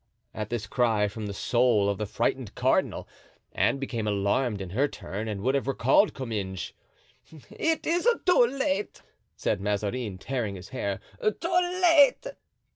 At this cry from the soul of the frightened cardinal, Anne became alarmed in her turn and would have recalled Comminges. "It is too late," said Mazarin, tearing his hair, "too late!"